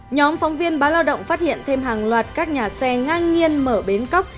nhóm phóng viên báo lao động phát hiện thêm hàng loạt các nhà xe ngang nhiên mở bến cóc